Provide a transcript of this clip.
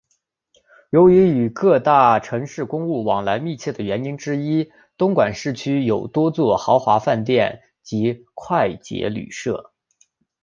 由于与各大城市公务往来密切的原因之一东营市区有多座豪华饭店及快捷旅舍。